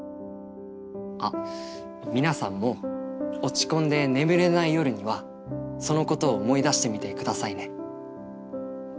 あっ皆さんも落ち込んで眠れない夜にはそのことを思い出してみて下さいね。